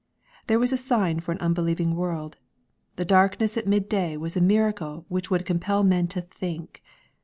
There was a sign for an unbelieving world. The dark ness at mid day was a miracle which would compel men to think.